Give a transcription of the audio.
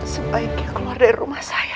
sebaiknya keluar dari rumah saya